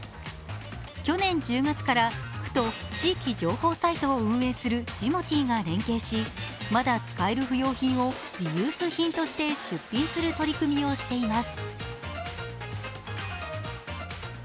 去年１０月から、区と地域情報サイトを運営するジモティーが連携しまだ使える不要品をリユース品として出品する取り組みをしています。